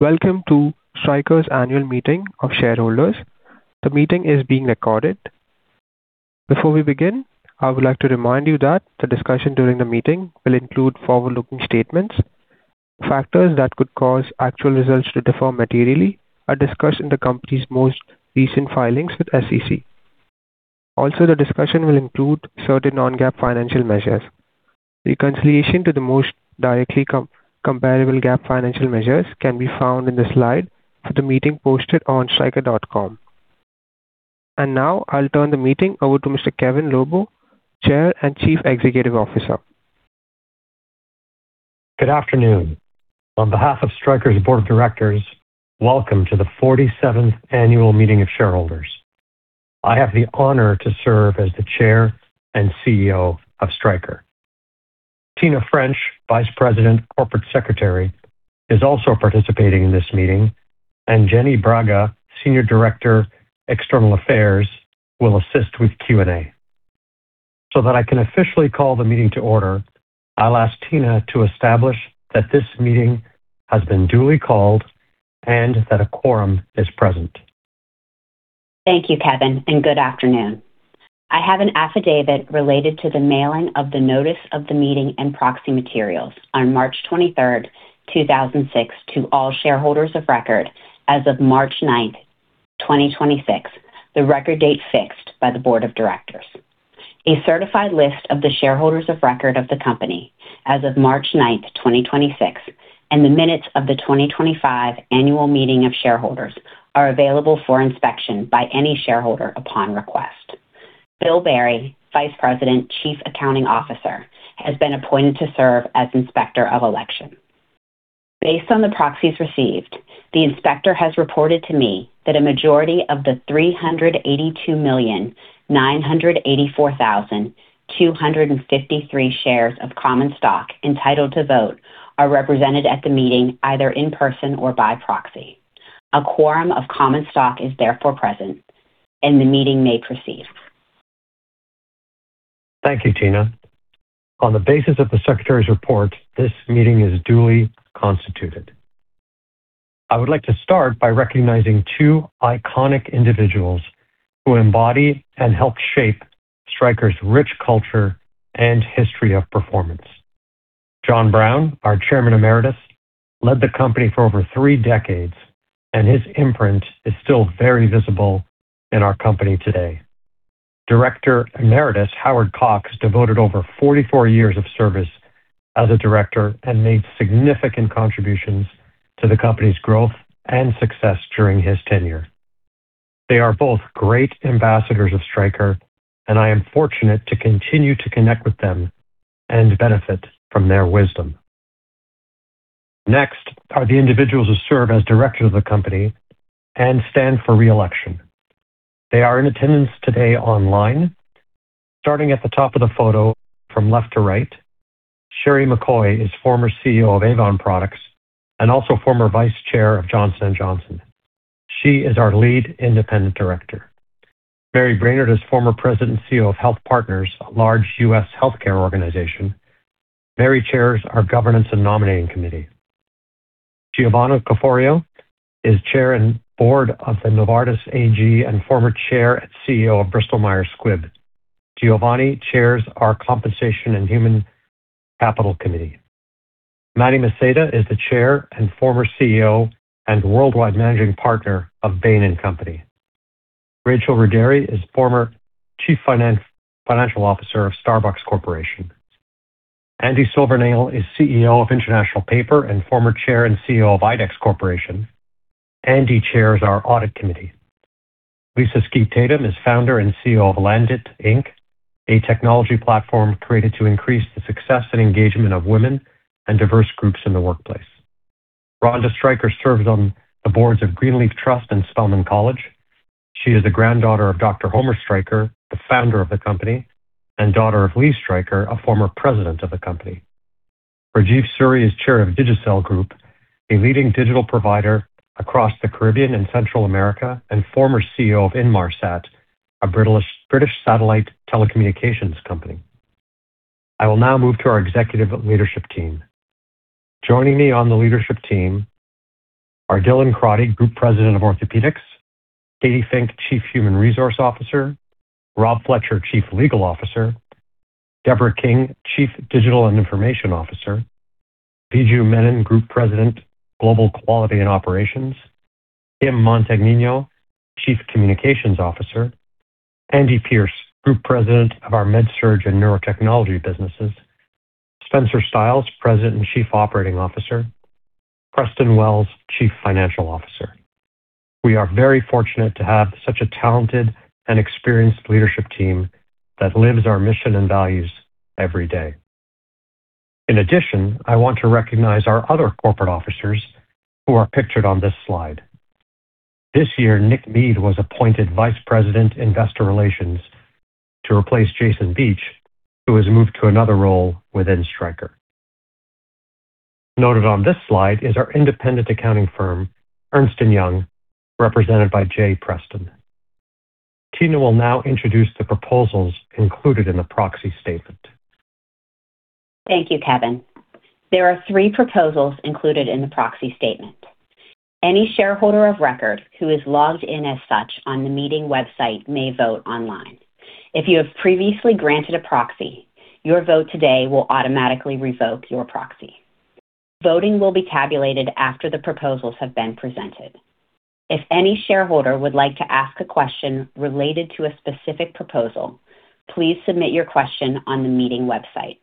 Welcome to Stryker's annual meeting of shareholders. The meeting is being recorded. Before we begin, I would like to remind you that the discussion during the meeting will include forward-looking statements. Factors that could cause actual results to differ materially are discussed in the company's most recent filings with SEC. The discussion will include certain non-GAAP financial measures. Reconciliation to the most directly comparable GAAP financial measures can be found in the slide for the meeting posted on stryker.com. Now I'll turn the meeting over to Mr. Kevin Lobo, Chair and Chief Executive Officer. Good afternoon. On behalf of Stryker's Board of Directors, welcome to the 47th annual meeting of shareholders. I have the honor to serve as the Chair and CEO of Stryker. Tina French, Vice President, Corporate Secretary, is also participating in this meeting, and Jenny Braga, Senior Director, External Affairs, will assist with Q&A. That I can officially call the meeting to order, I'll ask Tina to establish that this meeting has been duly called and that a quorum is present. Thank you, Kevin, and good afternoon. I have an affidavit related to the mailing of the notice of the meeting and proxy materials on March 23rd, 2006 to all shareholders of record as of March 9th, 2026, the record date fixed by the Board of Directors. A certified list of the shareholders of record of the company as of March 9th, 2026, and the minutes of the 2025 annual meeting of shareholders are available for inspection by any shareholder upon request. Bill Berry, Vice President, Chief Accounting Officer, has been appointed to serve as Inspector of Election. Based on the proxies received, the inspector has reported to me that a majority of the 382,984,253 shares of common stock entitled to vote are represented at the meeting either in person or by proxy. A quorum of common stock is therefore present, and the meeting may proceed. Thank you, Tina. On the basis of the secretary's report, this meeting is duly constituted. I would like to start by recognizing two iconic individuals who embody and help shape Stryker's rich culture and history of performance. John Brown, our Chairman Emeritus, led the company for over three decades, and his imprint is still very visible in our company today. Director Emeritus Howard Cox devoted over 44 years of service as a director and made significant contributions to the company's growth and success during his tenure. They are both great ambassadors of Stryker, and I am fortunate to continue to connect with them and benefit from their wisdom. Next are the individuals who serve as directors of the company and stand for re-election. They are in attendance today online. Starting at the top of the photo from left to right, Sheri McCoy is former CEO of Avon Products and also former Vice Chair of Johnson & Johnson. She is our lead independent Director. Mary Brainerd is former President and CEO of HealthPartners, a large U.S. healthcare organization. Mary chairs our governance and nominating committee. Giovanni Caforio is Chair and Board of the Novartis AG and former Chair and CEO of Bristol Myers Squibb. Giovanni chairs our compensation and human capital committee. Manny Maceda is the Chair and former CEO and worldwide Managing Partner of Bain & Company. Rachel Ruggeri is former Chief Financial Officer of Starbucks Corporation. Andy Silvernail is CEO of International Paper and former Chair and CEO of IDEX Corporation. Andy chairs our audit committee. Lisa Skeete Tatum is founder and CEO of Landit, Inc., a technology platform created to increase the success and engagement of women and diverse groups in the workplace. Ronda Stryker serves on the boards of Greenleaf Trust and Spelman College. She is the granddaughter of Dr. Homer Stryker, the founder of the company, and daughter of Lee Stryker, a former president of the company. Rajeev Suri is Chair of Digicel Group, a leading digital provider across the Caribbean and Central America, and former CEO of Inmarsat, a British satellite telecommunications company. I will now move to our executive leadership team. Joining me on the leadership team are Dylan Crotty, Group President of Orthopaedics, Katy Fink, Chief Human Resources Officer, Rob Fletcher, Chief Legal Officer, Debra King, Chief Digital and Information Officer, Viju Menon, Group President, Global Quality and Operations, Kim Montagnino, Chief Communications Officer, Andy Pierce, Group President of our MedSurg and Neurotechnology businesses, Spencer Stiles, President and Chief Operating Officer, Preston Wells, Chief Financial Officer. We are very fortunate to have such a talented and experienced leadership team that lives our mission and values every day. I want to recognize our other corporate officers who are pictured on this slide. This year, Nick Mead was appointed Vice President, Investor Relations, to replace Jason Beach, who has moved to another role within Stryker. Noted on this slide is our independent accounting firm, Ernst & Young, represented by Jay Preston. Tina will now introduce the proposals included in the proxy statement. Thank you, Kevin. There are three proposals included in the proxy statement. Any shareholder of record who is logged in as such on the meeting website may vote online. If you have previously granted a proxy, your vote today will automatically revoke your proxy. Voting will be tabulated after the proposals have been presented. If any shareholder would like to ask a question related to a specific proposal, please submit your question on the meeting website.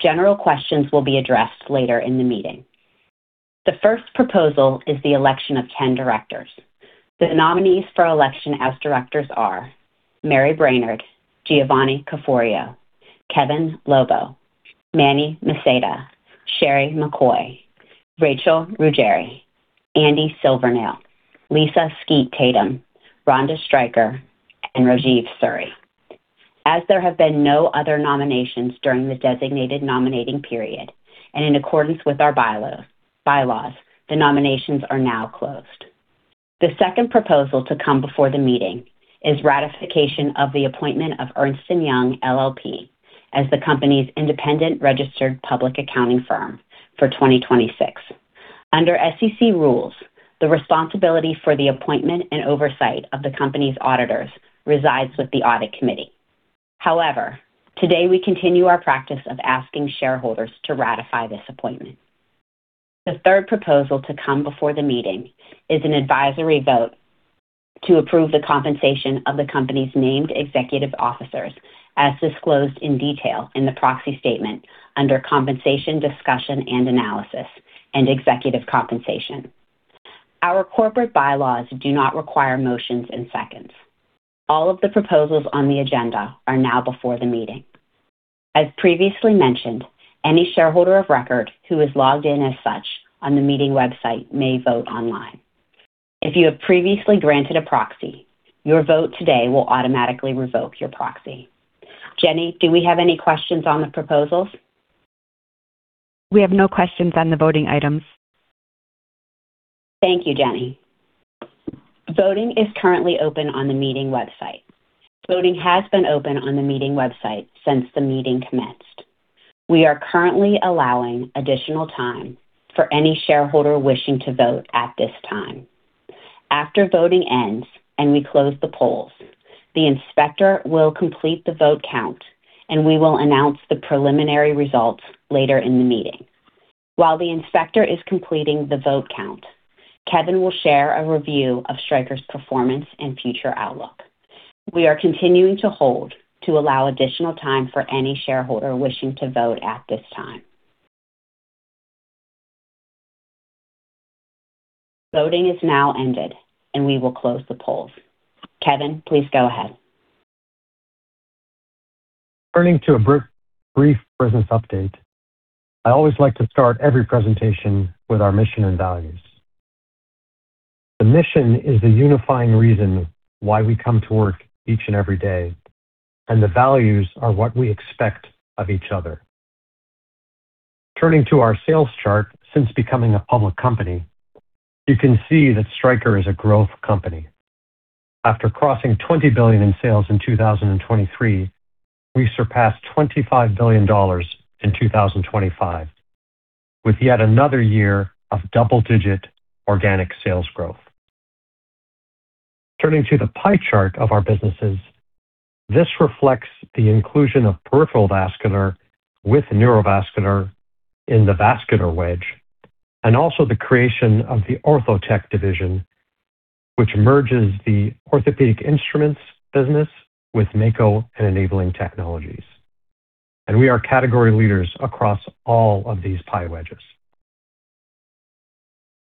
General questions will be addressed later in the meeting. The first proposal is the election of 10 directors. The nominees for election as directors are Mary Brainerd, Giovanni Caforio, Kevin Lobo, Manny Maceda, Sheri McCoy, Rachel Ruggeri, Andy Silvernail, Lisa Skeete Tatum, Ronda Stryker, and Rajeev Suri. There have been no other nominations during the designated nominating period, and in accordance with our bylaws, the nominations are now closed. The second proposal to come before the meeting is ratification of the appointment of Ernst & Young LLP as the company's independent registered public accounting firm for 2026. Under SEC rules, the responsibility for the appointment and oversight of the company's auditors resides with the audit committee. However, today we continue our practice of asking shareholders to ratify this appointment. The third proposal to come before the meeting is an advisory vote to approve the compensation of the company's named executive officers as disclosed in detail in the proxy statement under ompensation discussion and analysis and executive compensation. Our corporate bylaws do not require motions and seconds. All of the proposals on the agenda are now before the meeting. As previously mentioned, any shareholder of record who is logged in as such on the meeting website may vote online. If you have previously granted a proxy, your vote today will automatically revoke your proxy. Jenny, do we have any questions on the proposals? We have no questions on the voting items. Thank you, Jenny. Voting is currently open on the meeting website. Voting has been open on the meeting website since the meeting commenced. We are currently allowing additional time for any shareholder wishing to vote at this time. After voting ends and we close the polls, the inspector will complete the vote count, and we will announce the preliminary results later in the meeting. While the inspector is completing the vote count, Kevin will share a review of Stryker's performance and future outlook. We are continuing to hold to allow additional time for any shareholder wishing to vote at this time. Voting is now ended, and we will close the polls. Kevin, please go ahead. Turning to a brief business update, I always like to start every presentation with our mission and values. The mission is the unifying reason why we come to work each and every day, and the values are what we expect of each other. Turning to our sales chart since becoming a public company, you can see that Stryker is a growth company. After crossing $20 billion in sales in 2023, we surpassed $25 billion in 2025, with yet another year of double-digit organic sales growth. Turning to the pie chart of our businesses, this reflects the inclusion of peripheral vascular with Neurovascular in the vascular wedge, and also the creation of the Ortho Tech division, which merges the orthopedic instruments business with Mako and Enabling Technologies. We are category leaders across all of these pie wedges.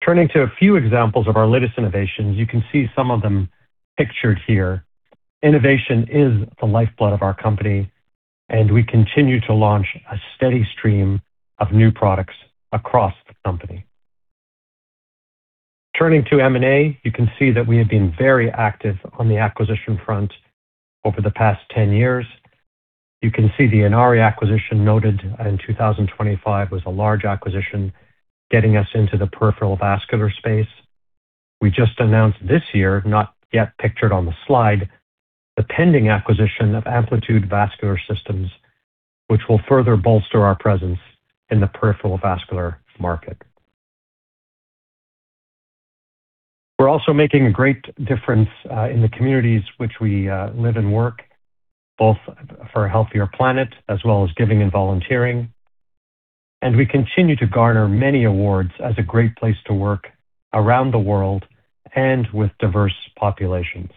Turning to a few examples of our latest innovations, you can see some of them pictured here. Innovation is the lifeblood of our company, and we continue to launch a steady stream of new products across the company. Turning to M&A, you can see that we have been very active on the acquisition front over the past 10 years. You can see the Inari acquisition noted in 2025 was a large acquisition, getting us into the peripheral vascular space. We just announced this year, not yet pictured on the slide, the pending acquisition of Amplitude Vascular Systems, which will further bolster our presence in the peripheral vascular market. We're also making a great difference in the communities which we live and work, both for a healthier planet as well as giving and volunteering. We continue to garner many awards as a great place to work around the world and with diverse populations.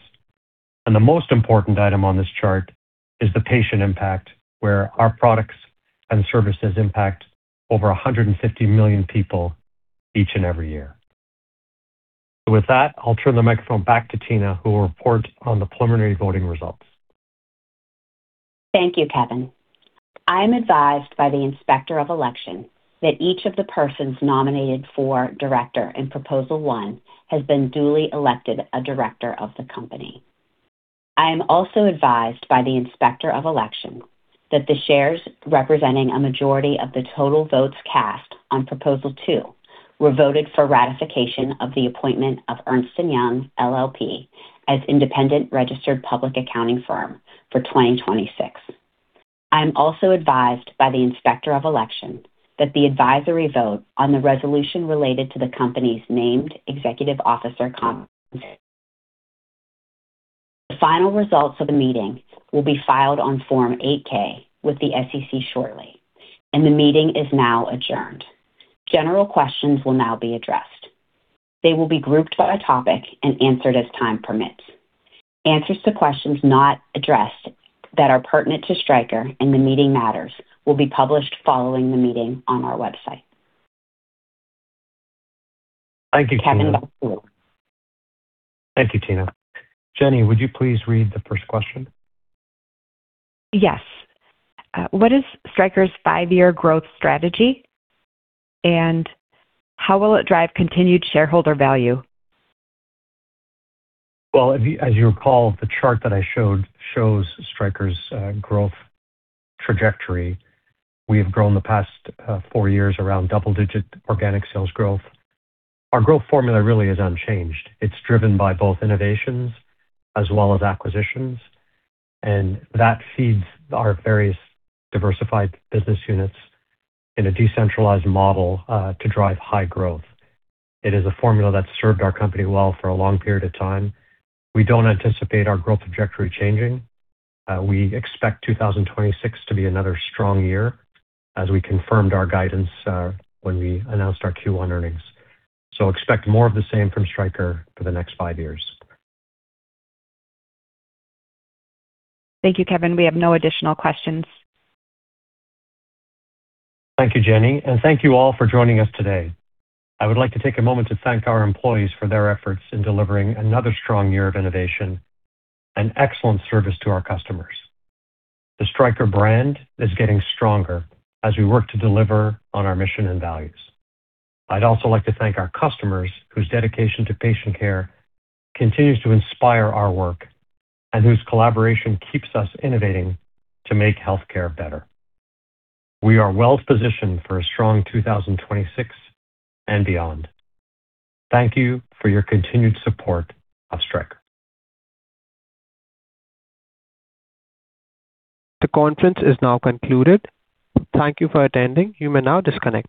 The most important item on this chart is the patient impact, where our products and services impact over 150 million people each and every year. With that, I'll turn the microphone back to Tina, who will report on the preliminary voting results. Thank you, Kevin. I am advised by the Inspector of Election that each of the persons nominated for director in proposal 1 has been duly elected a director of the company. I am also advised by the Inspector of Election that the shares representing a majority of the total votes cast on proposal 2 were voted for ratification of the appointment of Ernst & Young LLP as independent registered public accounting firm for 2026. I am also advised by the Inspector of Election that the advisory vote on the resolution related to the company's named executive officer comp. The final results of the meeting will be filed on Form 8-K with the SEC shortly. The meeting is now adjourned. General questions will now be addressed. They will be grouped by topic and answered as time permits. Answers to questions not addressed that are pertinent to Stryker and the meeting matters will be published following the meeting on our website. Thank you, Tina. Kevin, back to you. Thank you, Tina. Jenny, would you please read the first question? Yes. What is Stryker's five-year growth strategy, and how will it drive continued shareholder value? As you recall, the chart that I showed shows Stryker's growth trajectory. We have grown the past four years around double-digit organic sales growth. Our growth formula really is unchanged. It's driven by both innovations as well as acquisitions, and that feeds our various diversified business units in a decentralized model to drive high growth. It is a formula that's served our company well for a long period of time. We don't anticipate our growth trajectory changing. We expect 2026 to be another strong year, as we confirmed our guidance when we announced our Q1 earnings. Expect more of the same from Stryker for the next five years. Thank you, Kevin. We have no additional questions. Thank you, Jenny, and thank you all for joining us today. I would like to take a moment to thank our employees for their efforts in delivering another strong year of innovation and excellent service to our customers. The Stryker brand is getting stronger as we work to deliver on our mission and values. I'd also like to thank our customers whose dedication to patient care continues to inspire our work and whose collaboration keeps us innovating to make healthcare better. We are well-positioned for a strong 2026 and beyond. Thank you for your continued support of Stryker. The conference is now concluded. Thank you for attending. You may now disconnect.